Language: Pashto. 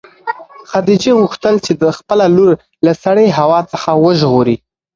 خدیجې غوښتل چې خپله لور له سړې هوا څخه وژغوري.